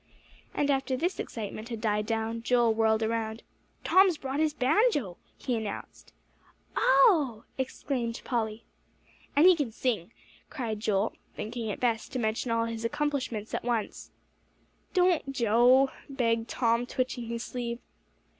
And after this excitement had died down, Joel whirled around. "Tom's brought his banjo," he announced. "Oh!" exclaimed Polly. "And he can sing," cried Joel, thinking it best to mention all the accomplishments at once. "Don't, Joe," begged Tom, twitching his sleeve.